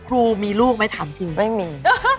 ลูกมีลูกไหมถามจริงไม่มี